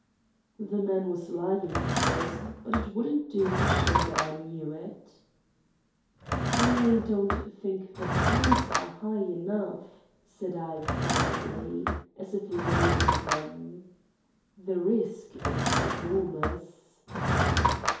The man was lying, of course; but it wouldn't do to show that I knew it. "I don't think the terms are high enough," said I quietly, as if weighing them. "The risk is enormous."